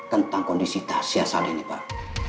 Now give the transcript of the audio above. tentang kondisi tasya saat ini pak